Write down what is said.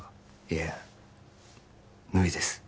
いえ無理です